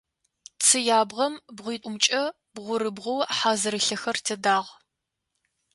Цыябгъэм бгъуитӏумкӏэ бгъурыбгъоу хьазырылъэхэр тедагъ.